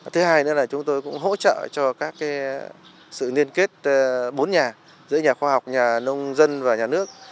thứ hai nữa là chúng tôi cũng hỗ trợ cho các sự liên kết bốn nhà giữa nhà khoa học nhà nông dân và nhà nước